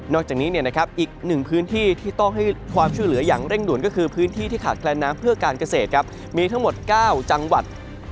จากนี้อีกหนึ่งพื้นที่ที่ต้องให้ความช่วยเหลืออย่างเร่งด่วนก็คือพื้นที่ที่ขาดแคลนน้ำเพื่อการเกษตรมีทั้งหมด๙จังหวัด